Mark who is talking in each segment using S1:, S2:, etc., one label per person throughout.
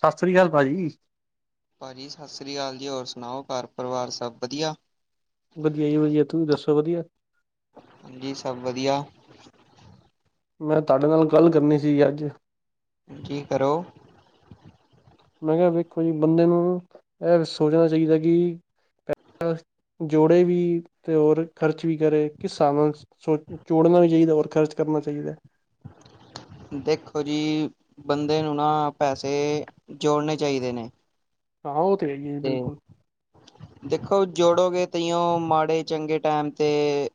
S1: ਸਤਿ ਸ੍ਰੀ ਅਕਾਲ, ਭਾਜੀ।
S2: ਭਾਜੀ ਸਤਿ ਸ੍ਰੀ ਅਕਾਲ ਜੀ, ਹੋਰ ਸੁਣਾਓ, ਘਰ ਪਰਿਵਾਰ ਸਭ ਵਧੀਆ।
S1: ਵਧੀਆ ਜੀ, ਵਧੀਆ ਤੁਸੀਂ ਦੱਸੋ ਵਧੀਆ?
S2: ਹਾਂਜੀ, ਸਭ ਵਧੀਆ।
S1: ਮੈਂ ਤੁਹਾਡੇ ਨਾਲ ਗੱਲ ਕਰਨੀ ਸੀਗੀ ਅੱਜ।
S2: ਕੀ ਕਰੋ।
S1: ਮੈਂ ਕਿਹਾ ਵੇਖੋ ਜੀ, ਬੰਦੇ ਨੂੰ ਇਹ ਸੋਚਣਾ ਚਾਹੀਦਾ ਕਿ ਜੋੜੇ ਵੀ, ਤੇ ਹੋਰ ਖਰਚ ਵੀ ਕਰੇ, ਕਿਸ ਹਿਸਾਬ ਨਾਲ ਸੋ ਜੋੜਨਾ ਵੀ ਚਾਹੀਦਾ, ਔਰ ਖ਼ਰਚ ਕਰਨਾ ਚਾਹੀਦਾ।
S2: ਦੇਖੋ ਜੀ, ਬੰਦੇ ਨੂੰ ਨਾ, ਪੈਸੇ ਜੋੜਨੇ ਚਾਹੀਦੇ ਨੇ।
S1: ਹਾਂ, ਉਹ ਤੇ ਹੈਗੀਆਂ ਜੀ ਬਿਲਕੁਲ।
S2: ਦੇਖੋ ਜੋੜੋਗੇ, ਤਾਓ ਮਾੜੇ ਚੰਗੇ ਟਾਈਮ ਤੇ।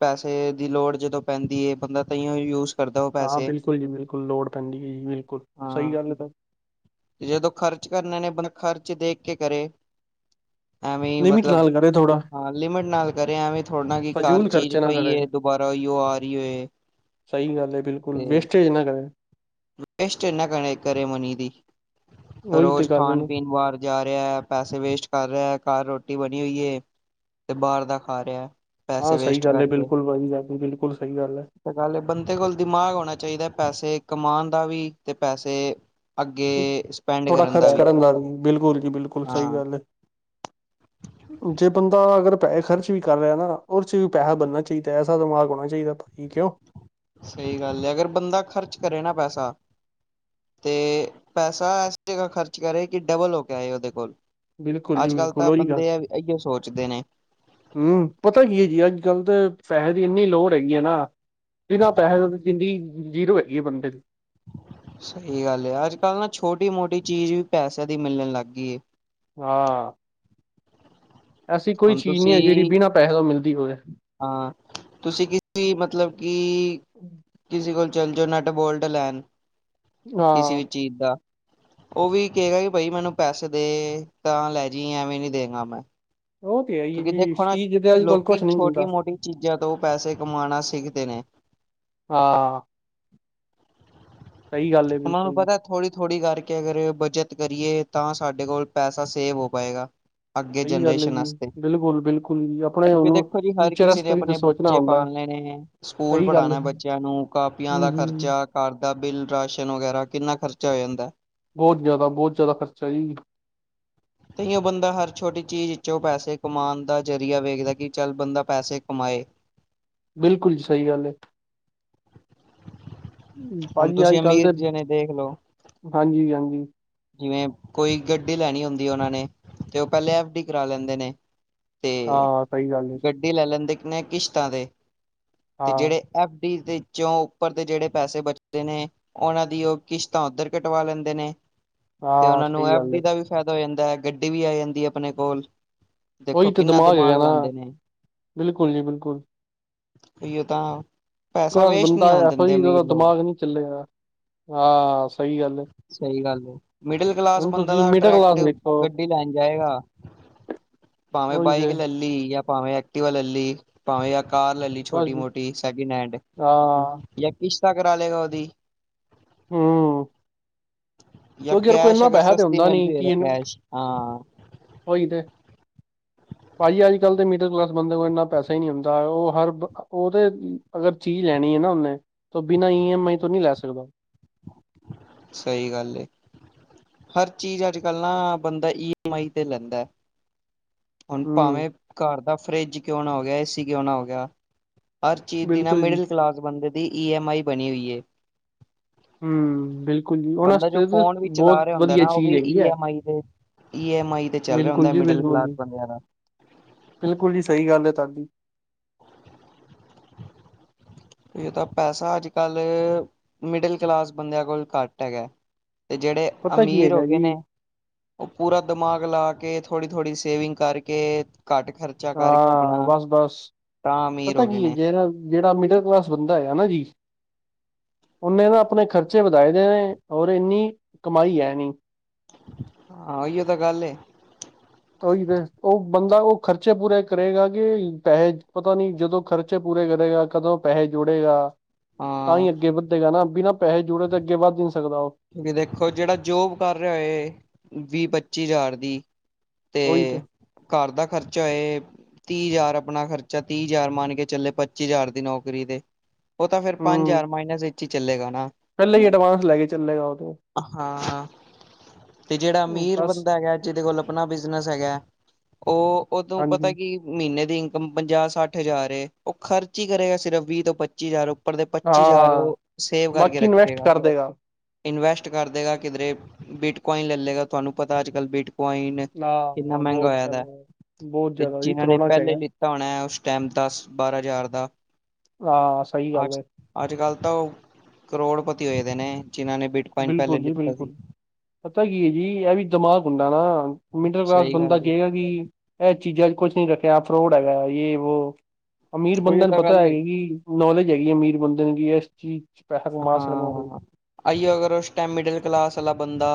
S2: ਪੈਸੇ ਦੀ ਲੋੜ ਜਦੋਂ ਪੈਂਦੀ ਹੈ, ਬੰਦਾ ਤਾਂਹੀ ਉਹ ਯੂਜ। ਕਰਦਾ ਉਹ
S1: ਹਾਂ,
S2: ਪੈਸੇ
S1: ਬਿਲਕੁਲ ਜੀ, ਬਿਲਕੁਲ ਲੋੜ ਪੈਂਦੀ ਹੈ ਜੀ, ਬਿਲਕੁਲ ਸਹੀ
S2: ਹਾਂ
S1: ਗੱਲ ਹੈ ਸਰ।
S2: ਜਦੋਂ ਖ਼ਰਚ ਕਰਨ ਨੇ ਆਪਣਾ, ਖ਼ਰਚ ਦੇਖ ਕੇ ਕਰੇ। ਐਂਵੀ
S1: ਲਿਮਿਟ
S2: ਮਤਲਬ।
S1: ਨਾਲ ਕਰੇ ਥੋੜਾ
S2: ਹਾਂ ਲਿਮਿਟ ਨਾਲ ਕਰੇ, ਐਵੇਂ ਥੋੜਾ ਨਾ ਕੀ, ਘਰ
S1: ਫਜ਼ੂਲ
S2: ਚੀਜ਼
S1: ਖਰਚੇ ਨਾ ਕਰੇ
S2: ਪਈਏ, ਦੁਬਾਰਾ ਉਹੀਂ ਹੋ ਆ ਰਹੀ ਹੈ।
S1: ਸਹੀ ਗੱਲ ਹੈ ਬਿਲਕੁਲ, ਵੇਸਟੇਜ ਨਾ ਕਰੇ।
S2: ਵੈਸਟੇਜ ਨਾ [unintelligible] ਕਰੇ ਮਨੀ ਦੀ,
S1: ਉਹੀ ਤੇ
S2: ਰੋਜ਼
S1: ਗੱਲ ਨੇ
S2: ਖਾਨ-ਪੀਨ ਬਾਰ ਜਾ ਰਿਹਾ, ਪੈਸੇ ਵੇਸਟ ਕਰ ਰਿਹਾ, ਘਰ ਰੋਟੀ ਬਨੀ ਹੋਈ ਏ ਤੇ ਬਾਹ ਦਾ ਖਾ ਰਿਹਾ।
S1: ਹਾਂ,
S2: ਪੈਸੇ
S1: ਸਈ
S2: ਵੇਸਟ
S1: ਗੱਲ ਏ
S2: ਕਰਕੇ
S1: ਬਿਲਕੁਲ ਭਾਜੀ ਤੁਆੜੀ ਬਿਲਕੁਲ ਸਈ ਗੱਲ ਐ।
S2: ਤੇ ਗੱਲ ਬੰਦੇ ਕੋਲ ਦਿਮਾਗ ਹੋਨਾ ਚਾਈਦਾ, ਪੈਸੇ ਕਮਾਨ ਦਾ ਵੀ ਤੇ ਪੈਸੇ ਅੱਗੇ ਸਪੈਂਡ
S1: ਥੋੜਾ
S2: ਕਰਨ ਦਾ
S1: ਖਰਚ
S2: ਵੀ,
S1: ਬਿਲਕੁਲ ਜੀ ਬਿਲਕੁਲ ਸਹੀ
S2: ਹਾਂ।
S1: ਗੱਲ ਹੈ ਜੇ ਬੰਦਾ ਅਗਰ ਪੈਹੇ ਖਰਚ ਵੀ ਕਰ ਰਿਹਾ ਨਾ ਓਸ 'ਚ ਵੀ ਪੈਸਾ ਬਨਨਾ ਚਾਈਦਾ, ਐਸਾ ਦਿਮਾਗ ਹੋਣਾ ਚਾਹੀਦਾ ਭਾਜੀ ਕਿਉਂ?
S2: ਸਈ ਗੱਲ ਏ, ਅਗਰ ਬੰਦਾ ਖ਼ਰਚ ਕਰੇ ਨਾ ਪੈਸਾ ਤੇ ਪੈਸਾ ਏਸ ਜਗ੍ਹਾ ਖਰਚ ਕਰੇ, ਕਿ ਡਬਲ ਹੋ ਕੇ ਆਏ ਓਦੇ ਕੋਲ।
S1: ਬਿਲਕੁਲ ਜੀ
S2: ਅੱਜ-ਕੱਲ੍ਹ
S1: ਬਿਲਕੁਲ
S2: ਤਾਂ
S1: ਉਹੀ
S2: ਬੰਦੇ ਏ ਇਹੀਓ ਸੋਚਦੇ ਨੇ।
S1: ਹੂੰ, ਪਤਾ ਕੀ ਐ ਜੀ, ਅੱਜ-ਕੱਲ੍ਹ ਤੇ ਪੈਸੇ ਦੀ ਇੰਨੀ ਲੋੜ ਹੈਗੀ ਏ ਨਾ ਬਿਨਾਂ ਪੈਸੇ ਦੋ ਤੇ ਜ਼ਿੰਦਗੀ ਜੀਰੋ ਹੈਗੀ ਏ ਬੰਦੇ ਦੀ।
S2: ਸਈ ਗੱਲ ਏ, ਅੱਜ-ਕੱਲ੍ਹ ਨਾ ਛੋਟੀ-ਮੋਟੀ ਚੀਜ਼ ਵੀ ਪੈਸਿਆਂ ਦੀ ਮਿਲਣ ਲੱਗ ਗਈ ਏ।
S1: ਹਾਂ! ਐਸੀ ਕੋਈ
S2: ਹੁਣ
S1: ਚੀਜ਼ ਨੀ ਐ, ਜੇੜੀ
S2: ਤੁਸੀਂ
S1: ਬਿਨਾਂ ਪੈਸੇ ਤੋਂ ਮਿਲਦੀ ਹੋਵੇ।
S2: ਹਾਂ, ਤੁਸੀਂ ਕਿਸੀ ਵੀ, ਮਤਲਬ ਕਿ ਕਿਸੇ ਕੋਲ ਚੱਲ ਜਾਓ ਨਟ-ਬੋਲਟ ਲੈਨ ਕਿਸੇ
S1: ਹਾਂ
S2: ਵੀ ਚੀਜ਼ ਦਾ। ਓ ਵੀ ਕਹੇਗਾ ਕਿ ਬਾਈ ਮੈਨੂੰ ਪੈਸੇ ਦੇ ਤਾਂ ਲੈ ਜਈ, ਐਵੇਂ ਨੀ ਦੇਂਗਾ ਮੈਂ।
S1: ਉਹ ਤੇ ਹੈ ਹੀ
S2: ਕਿਉਂਕਿ
S1: ਜੀ
S2: ਦੇਖੋ ਨਾ,
S1: ਫ੍ਰੀ ਜਿੱਦੇ ਅੱਜ ਕੱਲ
S2: ਲੋਕੀ
S1: ਕੁਛ ਨਹੀਂ ਮਿਲਦਾ
S2: ਛੋਟੀ-ਮੋਟੀ ਚੀਜ਼ਾਂ ਤੋਂ ਪੈਸੇ ਕਮਾਣਾ ਸਿੱਖਦੇ ਨੇ।
S1: ਹਾਂ। ਸਹੀ ਗੱਲ ਹੈ
S2: ਓਨਾਂ ਨੂੰ
S1: ਬਿਲਕੁਲ ਜੀ
S2: ਪਤਾ ਥੋੜ੍ਹੀ-ਥੋੜ੍ਹੀ ਕਰਕੇ ਅਗਰ ਬੱਚਤ ਕਰੀਏ, ਤਾਂ ਸਾਡੇ ਕੋਲ ਪੈਸਾ ਸੇਵ ਹੋ ਪਾਏਗਾ। ਅੱਗੇ
S1: ਸਹੀ ਗੱਲ ਹੈ
S2: ਜਨਰੇਸ਼ਨ
S1: ਜੀ
S2: ਵਾਸਤੇ,
S1: ਬਿਲਕੁਲ ਬਿਲਕੁਲ ਜੀ ਆਪਣੇ
S2: ਕਿਉਂਕਿ
S1: ਉਹਨੂੰ
S2: ਦੇਖੋ ਜੀ ਹਰ
S1: ਫਿਊਚਰ
S2: ਕਿਸੇ ਨੇ
S1: ਵਾਸਤੇ ਵੀ ਤਾਂ
S2: ਅਪਨੇ
S1: ਸੋਚਣਾ
S2: ਬੱਚੇ
S1: ਹੁੰਦਾ
S2: ਪਾਲਨੇ ਨੇ। ਸਕੂਲ
S1: ਸਹੀ ਗੱਲ ਹੈ
S2: ਪੜ੍ਹਾਣਾ
S1: ਜੀ
S2: ਬੱਚਿਆਂ ਨੂੰ, ਕਾਪੀਆਂ
S1: ਹੂੰ
S2: ਦਾ
S1: ਹੂੰ
S2: ਖ਼ਰਚਾ ਘਰ ਦਾ ਬਿੱਲ, ਰਾਸ਼ਨ ਵਗੈਰਾ ਕਿੰਨਾ ਖਰਚਾ ਹੋ ਜਾਂਦਾ।
S1: ਬੋਤ ਜਾਦਾ, ਬੋਤ ਜਾਦਾ ਖਰਚਾ ਜੀ।
S2: ਤਾਂਹੀਓਂ ਬੰਦਾ ਹਰ ਛੋਟੀ ਚੀਜ਼ 'ਚੋਂ ਪੈਸੇ ਕਮਾਨਦਾ ਜ਼ਰੀਆ ਵੇਖਦਾ, ਕਿ ਚੱਲ ਬੰਦਾ ਪੈਸੇ ਕਮਾਏ।
S1: ਬਿਲਕੁਲ ਜੀ, ਸਈ ਗੱਲ ਏ, ਭਾਜੀ ਅੱਜ-ਕੱਲ ਦੇ
S2: ਜਨੇ ਦੇਖਲੋ।
S1: ਹਾਂਜੀ-ਹਾਂਜੀ।
S2: ਜਿਵੇਂ ਕੋਈ ਗੱਡੀ ਲੈਣੀ ਹੋਂਦੀ ਓਨਾਂ ਨੇ, ਤੇ ਓ ਪਹਿਲੇ ਐਫ ਡੀ ਕਰਾ ਲੈਂਦੇ ਨੇ। ਤੇ
S1: ਹਾਂ ਸਹੀ ਗੱਲ ਹੈ
S2: ਗੱਡੀ ਲੈ ਲੈਂਦੇ ਨੇ ਕਿਸ਼ਤਾਂ ਤੇ, ਤੇ
S1: ਹਾਂ
S2: ਜੇੜੇ ਐਫ ਡੀ ਦੇ ਚੋਂ ਉੱਪਰ ਦੇ ਜੇੜੇ ਪੈਸੇ ਬਚਦੇ ਨੇ ਓਨਾਂ ਦੀ ਓ ਕਿਸ਼ਤਾਂ ਓਧਰ ਕਟਵਾ ਲੈਂਦੇ ਨੇ। ਤੇ
S1: ਹਾਂ
S2: ਓਨਾਂ ਨੂੰ
S1: ਸਹੀ
S2: ਐਫ
S1: ਗੱਲ
S2: ਡੀ
S1: ਹੈ
S2: ਦਾ ਵੀ ਫੈਦਾ ਹੋ ਜਾਂਦਾ ਐ, ਗੱਡੀ ਵੀ ਆ ਜਾਂਦੀ ਐ ਅਪਨੇ ਕੋਲ। ਦੇਖੋ,
S1: ਉਹੀ ਤੇ
S2: ਕਿੰਨਾ
S1: ਹੈਗਾ
S2: ਦਿਮਾਗ
S1: ਨਾ
S2: ਲਾਂਦੇ ਨੇ,
S1: ਬਿਲਕੁਲ ਜੀ ਬਿਲਕੁਲ
S2: ਓਹੀਓ ਤਾਂ ਪੈਸਾ
S1: ਕਾਜ਼
S2: ਵੇਸਟ
S1: ਬੰਦਾ
S2: ਨਹੀਂ ਹੋਣ
S1: ਏਹੋ
S2: ਦਿੰਦੇ
S1: [unintelligible] ਦਾ
S2: ਅਮੀਰ ਲੋਕ
S1: ਦਿਮਾਗ ਨੀ ਚੱਲੇਗਾ ਹਾਂ ਸਹੀ ਗੱਲ ਏ।
S2: ਸਈ ਗੱਲ ਏ। ਮਿਡਲ ਕਲਾਸ ਬੰਦਾ ਤਾਂ
S1: ਮਿਡਲ
S2: ਡਾਇਰੈਕਟ
S1: ਕਲਾਸ ਵੇਖੋ
S2: ਗੱਡੀ ਲੈਨ ਜਾਏਗਾ। ਭਾਵੇਂ
S1: ਉਹੀ
S2: ਬਾਈਕ
S1: ਤੇ
S2: ਲੈ ਲੀ, ਜਾਂ ਭਾਵੇਂ ਐਕਟੀਵਾ ਲੈ ਲੀ, ਭਾਵੇਂ ਜਾਂ ਕਾਰ ਲੈ ਲੀ।
S1: ਬਸ ਜੀ।
S2: ਛੋਟੀ-ਮੋਟੀ ਸੈਕਿੰਡ ਹੈਂਡ,
S1: ਹਾਂ
S2: ਯਾ ਕਿਸ਼ਤਾਂ ਕਰਾ ਲੇਗਾ ਓਦੀ।
S1: ਹੂੰ।
S2: ਯਾ
S1: ਕਿਉਂਕਿ ਉਹਦੇ ਕੋਲ
S2: ਕੈਸ਼,
S1: ਇੰਨਾ
S2: ਅਗਰ
S1: ਪੈਸਾ ਤੇ
S2: ਸਸਤੀ
S1: ਹੁੰਦਾ
S2: ਮਿਲਦੀ ਹੋਏ ਤਾਂ ਕੈਸ਼, ਹਾਂ।
S1: ਓਈ ਤੇ। ਭਾਜੀ, ਅੱਜ-ਕੱਲ੍ਹ ਦੇ ਮਿਡਲ ਕਲਾਸ ਬੰਦੇ ਕੋਲ ਇੰਨਾ ਪੈਸਾ ਹੀ ਨਹੀਂ ਹੁੰਦਾ, ਉਹ ਹਰ ਬ ਉਹ ਤੇ ਅਗਰ ਚੀਜ਼ ਲੈਣੀ ਹੈ ਨਾ ਉਹਨੇ, ਤਾਂ ਬਿਨਾਂ ਈ ਐਮ ਆਈ ਤੋਂ ਨਹੀਂ ਲੈ ਸਕਦਾ।
S2: ਸਹੀ ਗੱਲ ਹੈ, ਹਰ ਚੀਜ਼ ਅੱਜ-ਕੱਲ ਨਾ ਬੰਦਾ ਈ ਐਮ ਆਈ ਤੇ ਲੈਂਦਾ। ਹੁਣ ਭਾਵੇਂ
S1: ਹੂੰ
S2: ਘਰ ਦਾ ਫਰਿੱਜ ਕਿਉਂ ਨਾ ਹੋ ਗਿਆ, ਏ ਸੀ ਕਿਉਂ ਨਾ ਹੋ ਗਿਆ। ਹਰ ਚੀਜ਼ ਦੀ ਨਾ,
S1: ਬਿਲਕੁਲ ਜੀ
S2: ਮਿਡਲ ਕਲਾਸ ਬੰਦੇ ਦੀ ਈ ਐਮ ਆਈ ਬਣੀ ਹੋਈ ਏ।
S1: ਹੂੰ ਬਿਲਕੁਲ। ਜੀ ਉਹਨਾਂ
S2: ਬੰਦਾ ਜੋ
S1: ਵਾਸਤੇ ਤੇ
S2: ਫੋਨ ਵੀ ਚਲਾ
S1: ਬਹੁਤ
S2: ਰਿਹਾ ਹੁੰਦਾ
S1: ਵਧੀਆ
S2: ਨਾ ਉਹ
S1: ਚੀਜ਼
S2: ਵੀ
S1: ਹੈਗੀ
S2: ਈ
S1: ਹੈ
S2: ਐਮ ਆਈ ਦੇ ਈ ਐਮ ਆਈ ਤੇ ਚੱਲ ਰਿਹਾ
S1: ਬਿਲਕੁਲ
S2: ਹੁੰਦਾ
S1: ਜੀ
S2: ਮਿਡਲ
S1: ਬਿਲਕੁਲ
S2: ਕਲਾਸ
S1: ਜੀ
S2: ਬੰਦਿਆਂ ਦਾ।
S1: ਬਿਲਕੁਲ ਜੀ, ਸਹੀ ਗੱਲ ਹੈ ਤਹਾਡੀ।
S2: ਇਹ ਤਾਂ ਪੈਸਾ ਅੱਜ-ਕੱਲ੍ਹ ਮਿਡਲ ਕਲਾਸ ਬੰਦਿਆਂ ਕੋਲ ਘੱਟ ਹੈਗਾ। ਤੇ ਜਿਹੜੇ
S1: ਪਤਾ ਕੀ
S2: ਅਮੀਰ ਹੋ
S1: ਹੈਗਾ
S2: ਗਏ
S1: ਜੀ
S2: ਨੇ ਉਹ ਪੂਰਾ ਦਿਮਾਗ ਲਾ ਕੇ ਥੋੜ੍ਹੀ-ਥੋੜ੍ਹੀ ਸੇਵਿੰਗ ਕਰਕੇ ਘੱਟ ਖਰਚ
S1: ਹਾਂ, ਬਸ-ਬਸ
S2: ਅਮੀਰ
S1: ਪਤਾ
S2: ਹੋ ਗਏ
S1: ਕੀ ਹੈ, '
S2: ਨੇ
S1: ਜਿਹੜਾ ਜਿਹੜਾ ਮਿਡਲ ਕਲਾਸ ਬੰਦਾ ਹੈ ਨਾ ਜੀ'। ਓਨੇ ਤਾਂ ਆਪਣੇ ਖਰਚੇ ਵਧਾਏ ਦੇ ਨੇ ਔਰ ਇੰਨੀ ਕਮਾਈ ਹੈ ਨੀ।
S2: ਹਾਂ ਓਹੀਓ ਤਾਂ ਗੱਲ ਏ।
S1: ਤਾਂ ਉਹੀ ਤੇ ਉਹ ਬੰਦਾ ਉਹ ਖਰਚੇ ਪੂਰੇ ਕਰੇਗਾ ਕਿ ਪੈਸੇ ਪਤਾ ਨੀ ਜਦੋਂ ਖਰਚ ਖ਼ਰਚੇ ਪੂਰੇ ਕਰੇਗਾ ਕਦੋਂ ਪੈਸੇ ਜੋੜੇਗਾ? ਤਾਂ
S2: ਹਾਂ
S1: ਹੀ ਅੱਗੇ ਵੱਧੇਗਾ ਨਾ ਬਿਨਾ ਪੈਸੇ ਜੁੜੇ ਤੇ ਅੱਗੇ ਵੱਧ ਹੀ ਨੀ ਸਕਦਾ ਉਹ!
S2: ਦੇਖੋ ਜਿਹੜਾ ਜੋਬ ਕਰ ਰਿਹਾ ਏ ਵੀਹ-ਪੱਚੀ ਹਜ਼ਾਰ ਦੀ। ਤੇ ਘਰ ਦਾ ਖ਼ਰਚਾ ਏ। ਤੀਹ ਹਜ਼ਾਰ ਆਪਣਾ ਖਰਚਾ, ਤੀਹ ਹਜ਼ਾਰ ਮੰਨ ਕੇ ਚੱਲੇ ਪੱਚੀ ਹਜ਼ਾਰ ਦੀ ਨੌਕਰੀ ਤੇ। ਉਹ ਤਾਂ ਫੇਰ ਪੰਜ ਹਜ਼ਾਰ ਮਾਈਨਸ ਵਿੱਚ ਹੀ ਚੱਲੇਗਾ ਨਾ।
S1: ਪਹਿਲਾਂ ਹੀ ਐਡਵਾਂਸ ਲੈ ਕੇ ਚੱਲੇਗਾ ਉਹ ਤੇ।
S2: ਹਾਂ, ਤੇ ਜਿਹੜਾ ਅਮੀਰ
S1: ਬਸ
S2: ਬੰਦਾ ਹੈਗਾ ਜਿਹਦੇ ਕੋਲ ਆਪਣਾ ਬਿਜਨਸ ਹੈਗਾ। ਉਹ ਉਦੋਂ ਪਤਾ
S1: ਹਾਂਜੀ
S2: ਕੀ ਮਹੀਨੇ ਦੀ ਇਨਕਮ ਪੰਜਾਹ ਸੱਠ ਹਜ਼ਾਰ ਏ ਉਹ ਖਰਚ ਹੀ ਕਰੇਗਾ ਸਿਰਫ ਵੀਹ ਤੋਂ ਪੱਚੀ ਹਜ਼ਾਰ। ਉੱਪਰ ਦੇ
S1: ਹਾਂ
S2: ਪੱਚੀ ਹਜ਼ਾਰ
S1: ਹਾਂ
S2: ਉਹ ਸੇਵ ਕਰਕੇ
S1: ਬਾਕੀ ਇਨਵੈਸਟ
S2: ਰੱਖੇਗਾ।
S1: ਕਰ ਦੇਗਾ
S2: ਇਨਵੈਸਟ ਕਰ ਦੇਗਾ ਕਿਧਰੇ ਬਿਟ ਕੁਆਇਨ ਲੈ ਲਏਗਾ ਤੁਹਾਨੂੰ ਪਤਾ ਅੱਜ-ਕੱਲ੍ਹ ਬੀਟ ਕੁਆਇਨ ਕਿੰਨਾ
S1: ਹਾਂ
S2: ਮਹਿੰਗਾ
S1: ਬਹੁਤ
S2: ਹੋਇਆ ਦਾ
S1: ਜ਼ਿਆਦਾ ਬਹੁਤ
S2: ਤੇ
S1: ਜ਼ਿਆਦਾ ਜੀ
S2: ਜਿਨਾਂ ਨੇ
S1: ਕਰੋਨਾ ਚ
S2: ਪਹਿਲੇ ਲ
S1: ਹੈਗਾ
S2: ਲਿਤਾ ਹੋਣਾ ਉਸ ਟਾਈਮ ਦਸ- ਬਾਰਾਂ ਹਜ਼ਾਰ ਦਾ।
S1: ਹਾਂ, ਸਹੀ ਗੱਲ ਹੈ।
S2: ਅੱਜ-ਕੱਲ੍ਹ ਤਾਂ ਉਹ ਕਰੋੜਪਤੀ ਹੋਏ ਦੇ ਨੇ ਜਿਨ੍ਹਾਂ ਨੇ ਬ
S1: ਬਿਲਕੁਲ ਜੀ ਬਿਲਕੁਲ। ਪਤਾ ਕੀ ਹੈ ਜੀ ਇਹ ਵੀ ਦਿਮਾਗ ਹੁੰਦਾ ਨਾ ਮਿਡਲ ਕਲਾਸ
S2: ਸਹੀ
S1: ਬੰਦਾ
S2: ਗੱਲ ਏ
S1: ਕਹੇਗਾ ਕਿ ਇਹ ਚੀਜ਼ਾਂ ਕੁਛ ਨੀ ਰੱਖਿਆ ਫਰੋਡ ਹੈਗਾ ਏ ਵੋ ਅਮੀਰ
S2: ਉਹੀਓ
S1: ਬੰਧੇ ਨੂੰ
S2: ਤਾਂ
S1: ਪਤਾ
S2: ਗੱਲ ਏ
S1: ਹੈਗਾ ਕਿ ਨੌਲੇਜ ਹੈਗੀ ਅਮੀਰ ਬੰਦੇ ਨੂੰ ਕਿ ਇਸ ਚੀਜ਼ ਚ ਪੈਸਾ ਕਮਾ ਸਕਦੇ ਆ ਕੋਈ।
S2: ਅਈਓ ਅਗਰ ਉਸ ਟਾਈਮ ਮਿਡਲ ਕਲਾਸ ਵਾਲਾ ਬੰਦਾ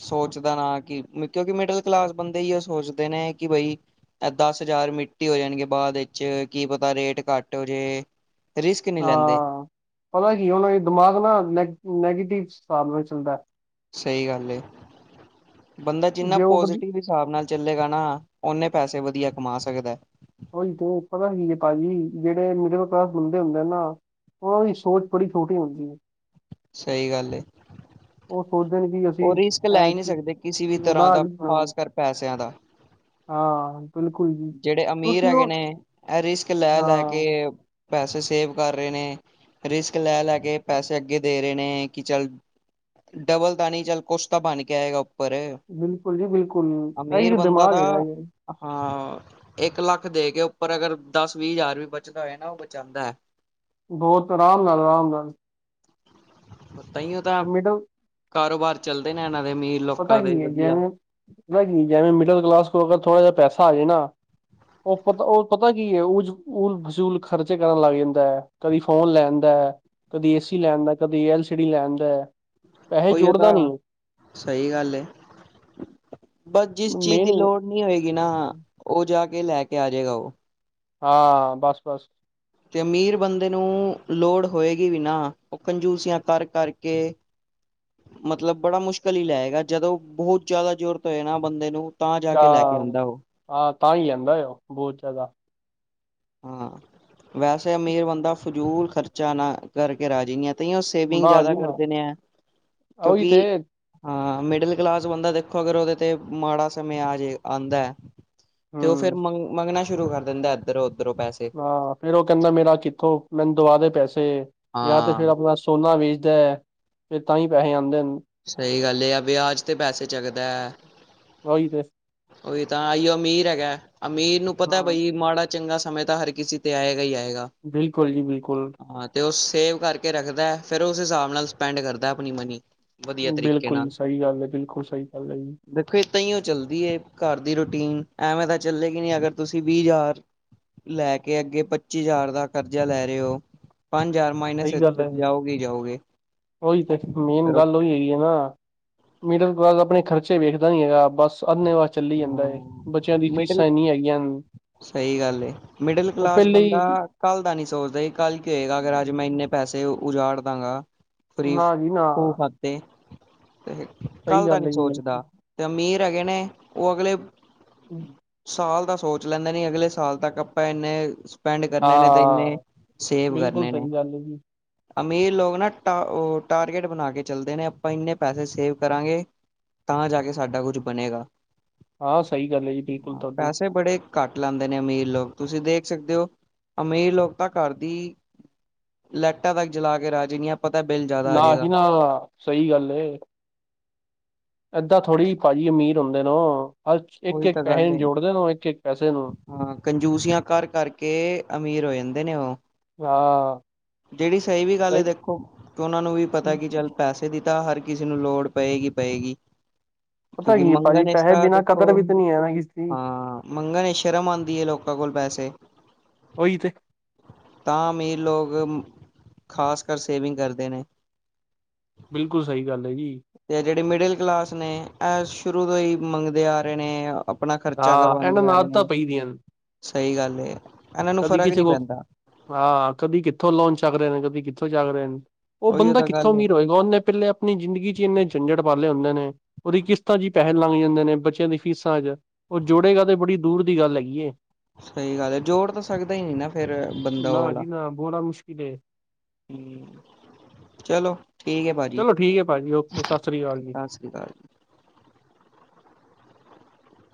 S2: ਸੋਚਦਾ ਨਾ ਕਿ ਕਿਉਂਕਿ ਮਿਡਲ ਕਲਾਸ ਬੰਦੇ ਹੀ ਉਹ ਸੋਚਦੇ ਨੇ ਕਿ ਬਈ ਇਹ ਦਸ ਹਜ਼ਾਰ ਮਿੱਟੀ ਹੋ ਜਾਣਗੇ ਬਾਅਦ ਵਿੱਚ ਕੀ ਪਤਾ ਰੇਟ ਘੱਟ ਹੋ ਜੇ। ਰਿਸਕ ਨਹੀਂ ਲੈਂਦੇ
S1: ਹਾਂ ਪਤਾ ਕੀ ਉਹਣਾ ਦਿਮਾਗ ਨਾ ਨੈ ਨੈਗੇਟਿਵ ਹਿਸਾਬ ਨਾਲ ਚੱਲਦਾ।
S2: ਸਹੀ ਗੱਲ ਏ ਬੰਦਾ ਜਿੰਨਾ
S1: ਜੇ ਉਹ ਵਧੀ
S2: ਪੋਜ਼ਟਿਵ ਹਿਸਾਬ ਨਾਲ ਚੱਲੇਗਾ ਨਾ ਓਨੇ ਪੈਸੇ ਵਧੀਆ ਕਮਾ ਸਕਦਾ ਏ।
S1: ਉਹੀ ਤੇ ਪਤਾ ਕੀ ਏ ਭਾਜੀ ਜਿਹੜੇ ਮਿਡਲ ਕਲਾਸ ਬੰਦੇ ਹੁੰਦੇ ਨਾ ਉਹਨਾਂ ਦੀ ਸੋਚ ਬੜੀ ਛੋਟੀ ਹੁੰਦੀ ਹੈ।
S2: ਸਹੀ ਗੱਲ ਏ।
S1: ਉਹ ਸੋਚਦੇ ਨੇ, ਕੀ ਆ।
S2: ਉਹ ਰਿਸਕ ਲੈ ਹੀ ਨਹੀਂ ਸਕਦੇ ਕਿਸੇ ਵੀ ਤਰ੍ਹਾਂ ਦਾ,
S1: ਜੀ ਨਾ
S2: ਖ਼ਾਸ ਕਰ ਪੈਸਿਆਂ ਦਾ।
S1: ਹਾਂ। ਬਿਲਕੁਲ ਜੀ
S2: ਜਿਹੜੇ ਅਮੀਰ
S1: ਕਿਉਂਕਿ
S2: ਹੈਗੇ
S1: ਉਹ
S2: ਨੇ, ਇਹ ਰਿਸਕ ਲੈ ਲੈ ਕੇ
S1: ਹਾਂ
S2: ਪੈਸੇ ਸੇਵ ਕਰ ਰਹੇ ਨੇ, ਰਿਸਕ ਲੈ ਲੈ ਕੇ ਪੈਸੇ ਅੱਗੇ ਦੇ ਰਹੇ ਨੇ, ਕਿ ਚੱਲ ਡਬਲ ਤਾਂ ਨਹੀਂ ਚੱਲ, ਕੁਛ ਤਾਂ ਬਣ ਕੇ ਆਏਗਾ।
S1: ਬਿਲਕੁਲ ਜੀ ਬਿਲਕੁਲ, ਏਹੀ
S2: ਅਮੀਰ
S1: ਵੀ
S2: ਬੰਦਾ
S1: ਦਿਮਾਗ
S2: ਤਾਂ
S1: ਹੈਗਾ ਜੇ।
S2: ਹਾਂ। ਇੱਕ ਲੱਖ ਦੇ ਕੇ ਉੱਪਰ, ਅਗਰ ਦਸ ਵੀਹ ਹਜ਼ਾਰ ਵੀ ਬਚਦਾ ਹੋਏ ਨਾ ਉਹ ਬਚਾਉਂਦਾ ਹੈ।
S1: ਬਹੁਤ ਆਰਾਮ ਨਾਲ, ਆਰਾਮ ਨਾਲ।
S2: ਤਹੀਓ ਤਾਂ,
S1: ਤੇ ਮਿਡਲ
S2: ਕਾਰੋਬਾਰ ਚੱਲਦੇ ਨੇ ਇਹਨਾਂ ਦੇ ਅਮੀਰ
S1: ਪਤਾ
S2: ਲੋਕਾਂ ਦੇ
S1: ਕੀ ਹੈ
S2: ਵਧੀਆ
S1: ਜੈਵੇਂ ਪਤਾ ਕੀ, ਜੈਵੇਂ ਮਿਡਲ ਕਲਾਸ ਕੋ ਅਗਰ ਥੋੜਾ ਜਿਹਾ ਪੈਸਾ ਆ ਜਾਏ ਨਾ ਉਹ ਪਤਾ ਉਹ ਪਤਾ ਕੀ ਹੈ, ਝ ਉਲ ਫੂਲ ਖਰਚੇ ਕਰਨ ਲੱਗ ਜਾਂਦਾ ਹੈ, ਕਦੀ ਫੋਨ ਲੈਦਾ ਹੈ ਕਦੇ ਏਸੀ ਲੈਣਦਾ, ਕਦੇ ਐਲ ਸੀ ਡੀ ਲੈਣਦਾ ਹੈ
S2: ਉਹੀ ਤਾਂ, ਸਹੀ ਗੱਲ ਐ, ਬਸ ਜਿਸ ਚੀਜ਼
S1: ਮੇਨ
S2: ਦੀ ਲੋੜ ਨੀ ਹੋਏਗੀ ਨਾ, ਉਹ ਜਾ ਕੇ ਲੈ ਕੇ ਆ ਜਾਏਗਾ ਉਹ
S1: ਹਾਂ, ਬਸ ਬਸ
S2: ਤੇ ਅਮੀਰ ਬੰਦੇ ਨੂੰ ਲੋੜ ਹੋਏਗੀ ਵੀ ਨਾ, ਉਹ ਕੰਜੂਸੀਆਂ ਕਰ ਕਰ ਕੇ ਮਤਲਬ ਬੜਾ ਮੁਸ਼ਕਲ ਹੀ ਲੈਏਗਾ, ਜਦੋਂ ਬਹੁਤ ਜ਼ਿਆਦਾ ਜ਼ੋਰਤ ਹੋਏ ਨਾ ਬੰਦੇ ਨੂੰ ਤਾਂ ਜਾ ਕੇ ਲੈ ਕੇ
S1: ਜਾਂ,
S2: ਆਉਂਦਾ ਉਹ
S1: ਹਾਂ ਤਾਂ ਹੀ ਆਦਾ ਆ ਉਹ ਬਹੁਤ ਜ਼ਿਆਦਾ
S2: ਹਾਂ, ਵੈਸੇ ਅਮੀਰ ਬੰਦਾ ਫਜ਼ੂਲ ਖਰਚਾ ਨਾ ਕਰਕੇ ਰਾਜੀ ਨੀ ਆਂ ਤਾਂਂਹੀ ੳ ਸੇਵਿੰਗ
S1: ਨਾ
S2: ਜ਼ਿਆਦਾ
S1: ਜੀ ਨਾ
S2: ਕਰਦੇ ਨੇ ਐ,
S1: ਉਹੀ
S2: ਕਿਉਂਕਿ
S1: ਤੇ
S2: ਹਾਂ ਮਿਡਲ ਕਲਾਸ ਬੰਦਾ ਦੇਖੋ, ਅਗਰ ਉਹਦੇ ਤੇ ਮਾੜਾ ਸਮੇ ਆਜੇ ਆਉਂਦਾ ਹੈ ਤੇ ਉਹ ਫੇਿਰ
S1: ਹਮ
S2: ਮੰਗ ਮੰਗਣਾ ਸ਼ੁਰੂ ਕਰ ਦਿੰਦਾ, ਇੱਧਰੋਂ ਉੱਧਰੋਂ ਪੈਸੇ
S1: ਹਾਂ ਫੇਰ ਉਹ ਕਹਿੰਦਾ ਮੇਰਾ ਕਿੱਥੋਂ, ਮੈਨੂੰ ਦਵਾ ਦੇ ਪੈਸੇ ਜਾਂ ਤੇ
S2: ਹਾਂ
S1: ਫੇਿਰ ਆਪਣਾ ਸੋਨਾ ਵੇਚਦਾ ਫਿਰ, ਤਾਂ ਹੀ ਪੈਸੇ ਆਉਂਦੇ ਨੇ
S2: ਸਹੀ ਗੱਲ ਹੈ, ਆ ਵਿਆਜ ਤੇ ਪੈਸੇ ਚੱਕਦਾ ਹੈ।
S1: ੳਹੀ ਤੇ
S2: ਉਹੀ ਤਾਂ, ਆਈਓ ਅਮੀਰ ਹੈਗਾ, ਅਮੀਰ ਨੂੰ ਪਤਾ
S1: ਹਮ
S2: ਬਈ ਮਾੜਾ ਚੰਗਾ ਸਮੇਂ ਤਾਂ ਹਰ ਕਿਸੇ ਤੇ ਆਏਗਾ ਹੀ ਆਏਗਾ।
S1: ਬਿਲਕੁਲ ਜੀ ਬਿਲਕੁਲ।
S2: ਹਾਂ ਤੇ ਉਹ ਸੇਵ ਕਰਕੇ ਰੱਖਦਾ, ਫੇਿਰ ਉਸ ਹਿਸਾਬ ਨਾਲ ਸਪੈਂਡ ਕਰਦਾ ਆਪਣੀ ਮਨੀ ਵਧੀਆ ਤਰੀਕੇ
S1: ਬਿਲਕੁਲ
S2: ਨਾਲ
S1: ਸਹੀ ਗੱਲ ਹੈ, ਬਿਲਕੁਲ ਸਹੀ ਗੱਲ ਹੈ ਜੀ।
S2: ਦੇਖੋ ਦਾਂ ਹੀ ਉਹ ਚੱਲਦੀ ਘਰ ਦੀ ਰੂਟੀਨ, ਐਵੇਂ ਤਾਂ ਚੱਲੇਗੀ ਨਹੀਂੀ ਅਗਰ ਤੁਸੀਂ ਵੀਹ ਹਜ਼ਾਰ ਲੈ ਕੇ ਅੱਗੇ ਪੱਚੀ ਹਜ਼ਾਰ ਦਾ ਕਰਜ਼ਾ ਲੈ ਰਹੇ ਹੋ, ਪੰਜ ਹਜ਼ਾਰ ਮਾਈਨਸ
S1: ਸਹੀ ਗੱਲ ਹੈ,
S2: ਜਾਓਗੇ ਹੀ ਜਾਓਗੇ
S1: ਉਹੀ ਤੇ, ਮੇਨ
S2: ਫਿਰ
S1: ਗੱਲ ਉਹੀ ਹੈਗੀ ਹੈ ਨਾ ਮਿਡਲ ਕਲਾਸ ਆਪਣੇ ਖਰਚੇ ਵੇਖਦਾ ਨੀ ਹੈਗਾ, ਬਸ ਅੰਨੇ ਵ ਵਾਹ ਚੱਲੀ ਜਾਂਦਾ ਹੈ ਏ,
S2: ਉਹ
S1: ਬੱਚਿਆਂ ਦੀ
S2: ਮਿਡਲ
S1: ਫੀਸਾਂ ਇੰਨਨੀ ਹੈਗੀਆਂ ਹਨ।
S2: ਸਹੀ ਗੱਲ ਐ, ਮਿਡਲ
S1: ਉਹ
S2: ਕਲਾਸ
S1: ਪਹਿਲੇ
S2: ਬੰਦਾ
S1: ਹੀ
S2: ਕੱਲ ਦਾ ਨੀ ਸੋਚਦਾ ਸੀ ਕੱਲ੍ਹ ਕੀ ਹੋਏਗਾ, ਅਗਰ ਅੱਜ ਮੈਂ ਇੰਨੇ ਪੈਸੇ ਉਜਾੜ ਦਾਂਗਾ ਫਰੀ
S1: ਨਾ ਜੀ ਨਾ
S2: ਖੂਹ ਖਾਤੇ, ਤੇ
S1: ਸਹੀ
S2: ਕੱਲ ਦਾ
S1: ਗੱਲ
S2: ਨੀ
S1: ਹੈ ਜੀ
S2: ਸੋਚਦਾ
S1: ਬਿਲਕੁਲ
S2: ਤੇ ਅਮੀਰ ਹੈਗੇ ਨੇ, ਉਹ ਅਗਲੇ
S1: ਹਮ।
S2: ਸਾਲ ਦਾ ਸੋਚ ਲੈਂਦਾ ਨੇ, ਅਗਲੇ ਸਾਲ ਤੱਕ ਆਪਾਂ ਇੰਨੇ ਸਪੈਂਡ ਕਰਨੇ ਨੇ, ਤੇ ਇੰਨੇ
S1: ਹਾਂ
S2: ਸੇਵ
S1: ਬਿਲਕੁਲ
S2: ਕਰਨੇ ਨੇ
S1: ਸਹੀ ਗੱਲ ਹੈ ਜੀ
S2: ਅਮੀਰ ਲੋਕ ਨਾ ਟ ਉਹ ਟਾਰਗੇਟ ਬਣਾ ਕੇ ਚੱਲਦੇ ਨੇ, ਆਪਾਂ ਇੰਨੇ ਪੈਸੇ ਸੇਵ ਕਰਾਂਗੇ। ਤਾਂ ਜਾ ਕੇ ਸਾਡਾ ਕੁੱਝ ਬਣੇਗਾ।
S1: ਹਾਂ, ਸਹੀ ਗੱਲ ਏ।
S2: ਪੈਸੇ ਬੜੇ ਘੱਟ ਲੈਂਦੇ ਨੇ, ਅਮੀਰ ਲੋਕ ਤੁਸੀਂ ਦੇਖ ਸਕਦੇ ਹੋ, ਅਮੀਰ ਲੋਕ ਤਾਂ ਘਰ ਦੀ ਲੈਟਾਂ ਤੱਕ ਜਲਾ ਕੇ ਰਾਜੀ ਨੀ ਆ। ਪਤਾ ਬੈਲ ਜਾ
S1: ਨਾ ਜੀ ਨਾ, ਸਹੀ ਗੱਲ ਏ। ਏਦਾਂ ਥੋੜੀ ਭਾਜੀ, ਅਮੀਰ ਹੁੰਦੇਨ ਉ। ਅ, ਇੱਕ-
S2: ਉਹੀ
S1: ਇੱਕ
S2: ਤਾਂ
S1: ਪੈਸੇ
S2: ਗੱਲ
S1: ਨੂੰ
S2: ਹੈ
S1: ਜੋੜਦੇ ਨੇ ਓ, ਇੱਕ- ਇੱਕ ਪੈਸੇ ਨੂੰ।
S2: ਕੇ ਅਮੀਰ ਹੋ ਜਾਂਦੇ ਨੇ ਉਹ।
S1: ਹਾਂ।
S2: ਜਿਹੜੀ ਸਹੀ ਵੀ ਗੱਲ ਏ
S1: ਸਹੀ
S2: ਦੇਖੋ ਕਿ, ਉਹਨਾਂ ਨੂੰ ਵੀ ਪਤਾ ਕੀ ਚੱਲ ਪੈਸੇ ਦੀ ਤਾਂ, ਹਰ ਕਿਸੇ ਨੂੰ ਲੋੜ ਪਏਗੀ -ਪਏਗੀ।
S1: ਪਤਾ
S2: ਕਿਉਂਕਿ
S1: ਕੀ ਭਾਜੀ,
S2: ਮੰਗਣ ਇਸ
S1: ਪੈਸੇ
S2: ਤਾਂ
S1: ਬਿਨਾਂ
S2: ਦੇਖੋ
S1: ਕਦਰ ਵੀ ਤਾਂ ਨਹੀਂ ਹੈ ਨਾ, ਕਿਸੇ ਦੀ।
S2: ਹਾਂ, ਮੰਗਣ ਚ ਸ਼ਰਮ ਆਉਂਦੀ ਹੈ ਲੋਕਾਂ ਕੋਲ ਪੈਸੇ।
S1: ਓਹੀ ਤੇ।
S2: ਤਾਂ ਅਮੀਰ ਲੋਕ, ਖਾਸ ਕਰ ਸੇਵਿੰਗ ਕਰਦੇ ਨੇ।
S1: ਬਿਲਕੁਲ ਸਹੀ ਗੱਲ ਹੈ, ਜੀ।
S2: ਇਹ ਜੋ ਮਿਡਲ ਕਲਾਸ ਨੇ, ਇਹ ਸ਼ੁਰੂ ਤੋਂ ਹੀ ਮੰਗਦੇ ਆ ਰਹੇ ਨੇ। ਆਪਣਾ ਖਰਚਾ
S1: ਹਾਂ ਇਹਨਾਂ
S2: ਕਰਵਾਉਂਦੇ
S1: ਨੂੰ
S2: ਆ ਰਹੇ
S1: ਆਦਤਾਂ
S2: ਨੇ,
S1: ਪਈ ਦੀਆਂ ਨੇ
S2: ਸਹੀ ਗੱਲ ਏ।
S1: ਕਦੀ ਕਿਸੇ ਕੋਲ ਹਾਂ, ਕਦੀ ਕਿੱਥੋਂ ਲੋਨ ਚੱਕ ਰਹੇ ਨੇ, ਕਦੀ ਕਿੱਥੋਂ ਚੱਕ ਰਹੇ ਨੇ। ਉਹ
S2: ਉਹੀ
S1: ਬੰਦਾ
S2: ਤਾਂ
S1: ਕਿੱਥੋਂ
S2: ਗੱਲ ਹੈ
S1: ਅਮੀਰ ਹੋਏਗਾ, ਉਹਨੇ ਪਹਿਲੇ ਆਪਣੀ ਜ਼ਿੰਦਗੀ ਚ, ਇੰਨੇ ਝੰਜਟ ਪਾਲੇ ਹੁੰਦੇ ਨੇ, ਉਹਦੀ ਕਿਸ਼ਤਾਂ ਚ ਪੈਸੇ ਲੰਘ ਜਾਂਦੇ ਨੇ, ਬੱਚਿਆਂ ਦੀ ਫੀਸਾਂ ਚ। ਉਹ ਜੋੜੇਗਾ, ਤੇ ਬੜੀ ਦੂਰ ਦੀ ਗੱਲ ਹੈਗੀ।
S2: ਸਹੀ ਗੱਲ ਹੈ, ਜੋੜ ਤਾਂ ਸਕਦਾ ਹੀ ਨ ਨਾ ਫੇਰ। ਬੰਦਾ ਉਹ
S1: ਨਾ
S2: ਵਾਲਾ
S1: ਜੀ ਨਾ, ਬੋੜਾ ਮੁਸ਼ਕਿਲ ਹੈ।
S2: ਚਲੋ ਠੀਕ ਹੈ, ਭਾਜੀ
S1: ਚਲੋ ਠੀਕ ਹੈ ਭਾਜੀ ਓਕੇ ਸਤਿ ਸ੍ਰੀ ਅਕਾਲ ਜੀ।
S2: ਸ੍ਰ ਜੀਕ।